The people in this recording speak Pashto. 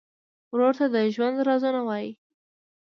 ورور ته د ژوند رازونه وایې.